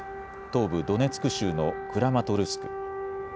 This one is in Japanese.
東部ドネツク州のクラマトルスク。